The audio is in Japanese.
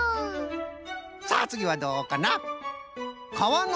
さあつぎはどうかな？